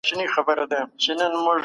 دا مستطيلونه دي.